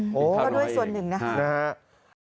ก็ด้วยส่วนหนึ่งนะครับ